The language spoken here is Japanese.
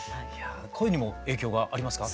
声にも影響がありますか？